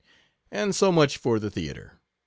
And so much for the Theatre.